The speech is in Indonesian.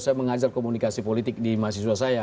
saya mengajar komunikasi politik di mahasiswa saya